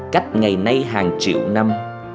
cách ngày nay hàng triệu năm